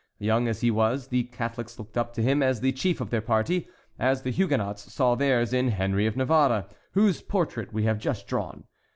Young as he was, the Catholics looked up to him as the chief of their party, as the Huguenots saw theirs in Henry of Navarre, whose portrait we have just drawn.